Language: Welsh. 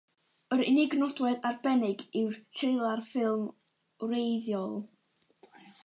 Yr unig nodwedd arbennig yw'r trelar ffilm wreiddiol.